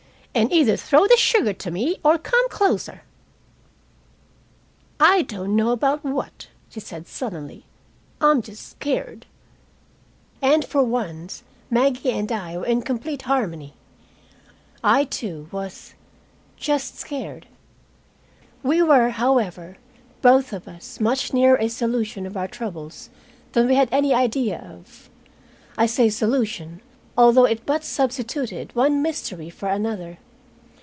"And either throw the sugar to me or come closer." "I don't know about what," she said sullenly. "I'm just scared." And for once Maggie and I were in complete harmony. I, too, was "just scared." We were, however, both of us much nearer a solution of our troubles than we had any idea of. I say solution, although it but substituted one mystery for another.